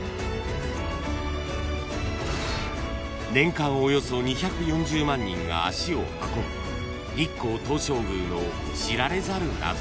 ［年間およそ２４０万人が足を運ぶ日光東照宮の知られざる謎］